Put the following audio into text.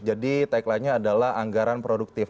jadi tagline nya adalah anggaran produktif